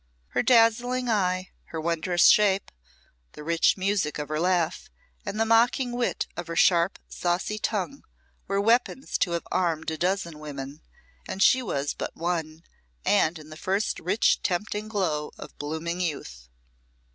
Her dazzling eye, her wondrous shape, the rich music of her laugh, and the mocking wit of her sharp saucy tongue were weapons to have armed a dozen women, and she was but one, and in the first rich tempting glow of blooming youth.